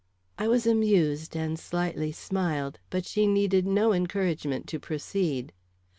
I was amused and slightly smiled, but she needed no encouragement to proceed.